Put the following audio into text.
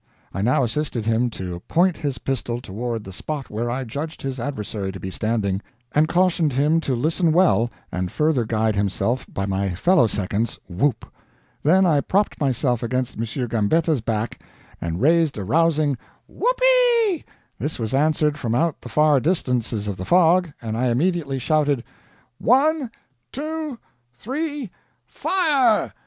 I now assisted him to point his pistol toward the spot where I judged his adversary to be standing, and cautioned him to listen well and further guide himself by my fellow second's whoop. Then I propped myself against M. Gambetta's back, and raised a rousing "Whoop ee!" This was answered from out the far distances of the fog, and I immediately shouted: "One two three FIRE!"